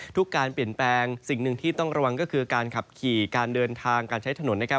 การเปลี่ยนแปลงสิ่งหนึ่งที่ต้องระวังก็คือการขับขี่การเดินทางการใช้ถนนนะครับ